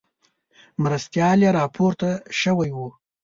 مرستیال یې راپورته شوی وو.